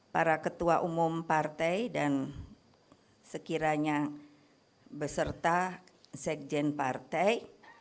para ketua umum partai dan sekiranya beserta sekjen partai